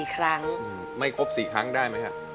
๔ครั้งไม่ครบ๔ครั้งได้ไหมฮะ